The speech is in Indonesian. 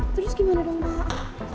terus gimana dong pak